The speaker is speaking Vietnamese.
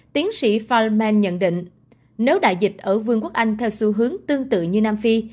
tiến sĩ fil man nhận định nếu đại dịch ở vương quốc anh theo xu hướng tương tự như nam phi